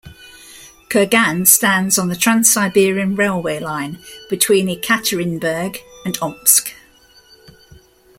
Kurgan stands on the Trans-Siberian Railway line, between Yekaterinburg and Omsk.